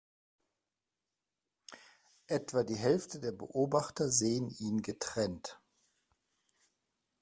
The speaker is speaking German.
Etwa die Hälfte der Beobachter sehen ihn getrennt.